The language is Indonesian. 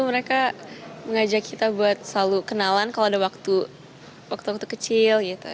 mereka mengajak kita buat selalu kenalan kalau ada waktu waktu kecil gitu